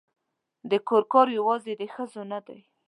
د کور کار یوازې د ښځو نه دی